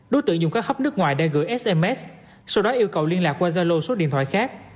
đối tượng dùng các hấp nước ngoài đe gửi sms sau đó yêu cầu liên lạc qua gia lô số điện thoại khác